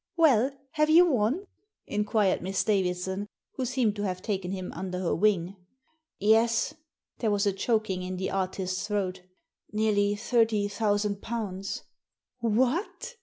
Well, have you won ?" inquired Miss Davidson, who seemed to have taken him under her wing. " Yes, There was a choking m the artist's throat " Nearly thirty thousand pounds." "What!"